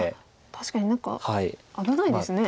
確かに何か危ないですね。